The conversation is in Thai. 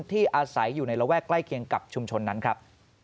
ที่อาศัยอยู่ในระแวกใกล้เคียงกับชุมชนนั้นครับ